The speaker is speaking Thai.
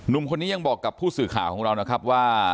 คนนี้ยังบอกกับผู้สื่อข่าวของเรานะครับว่า